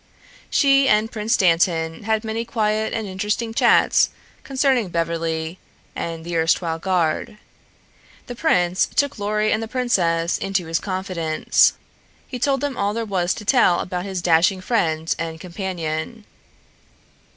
She and Prince Dantan had many quiet and interesting chats concerning Beverly and the erstwhile guard. The prince took Lorry and the princess into his confidence. He told them all there was to tell about his dashing friend and companion.